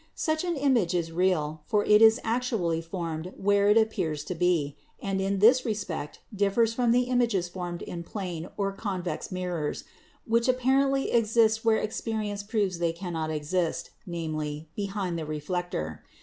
Such an image is real, for it is actually formed where it ap pears to be, and in this respect differs from the images formed in plane or convex mirrors, which apparently exist where experience proves they cannot exist, viz., behind the reflector.